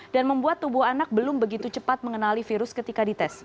dan membuat tubuh anak belum begitu cepat mengenali virus ketika dites